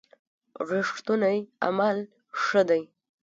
رښتوني عمل ښه دی.